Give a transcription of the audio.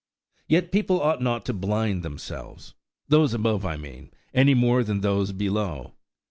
Yet people ought not to blind themselves–those above, I mean, any more than those below.